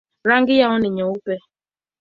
Rangi yao ni nyeupe.